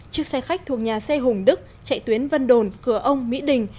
chiếc xe khách thuộc nhà xe hùng đức chạy tuyến vân đồn cửa ông mỹ đình